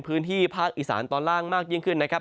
พื้นที่ภาคอีสานตอนล่างมากยิ่งขึ้นนะครับ